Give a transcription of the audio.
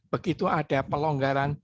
begitu ada pelonggaran